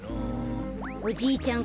おじいちゃん